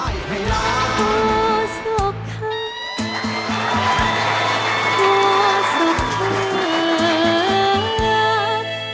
กลัวสุขค่ะ